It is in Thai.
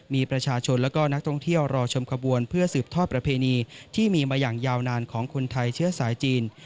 มีประชาชนและก็นักท่องเที่ยวรอชมขบวนเพื่อสืบทอดประเพณีที่มีมาอย่างยาวนานของคนไทยเชื้อสายจีน